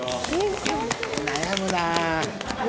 悩むなあ。